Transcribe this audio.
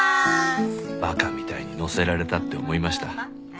馬鹿みたいにのせられたって思いました。